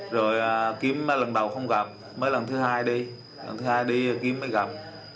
rồi kiếm mấy lần đầu không gặp mới lần thứ hai đi lần thứ hai đi kiếm mới gặp